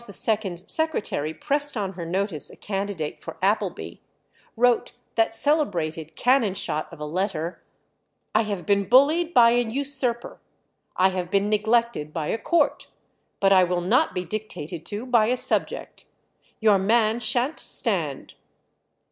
's secretary pressed on her notice a candidate for Appleby, wrote that celebrated cannon shot of a letter: "I have been bullied by an usurper; I have been neglected by a court, but I will not be dictated to by a subject. Your man shan't stand.